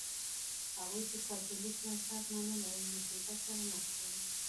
هغوی چې کاتولیک مذهب منلی و مصیبت سره مخ شول.